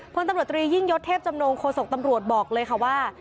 พลังตำรวจตรียิ่งยดเทพจำโนงโครสกตำรวจบอกเลยว่า